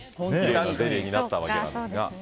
ゼリーになったわけなんですが。